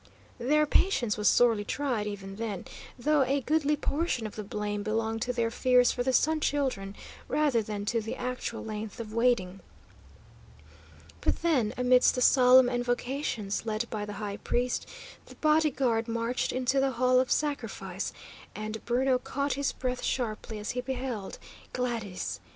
Their patience was sorely tried, even then, though a goodly portion of the blame belonged to their fears for the Sun Children, rather than to the actual length of waiting. But then, amidst the solemn invocations led by the high priest, the body guard marched into the Hall of Sacrifice, and Bruno caught his breath sharply as he beheld Gladys!